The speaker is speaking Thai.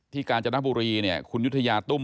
กาญจนบุรีเนี่ยคุณยุธยาตุ้ม